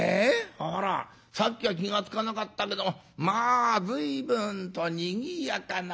あらさっきは気が付かなかったけどもまあ随分とにぎやかなもんだねえ。